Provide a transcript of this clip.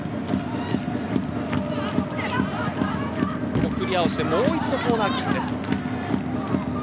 ここもクリアをしてもう一度コーナーキックです。